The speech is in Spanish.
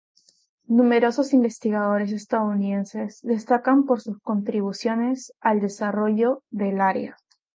Numerosos investigadores estadounidenses destacan por sus contribuciones al desarrollo del área.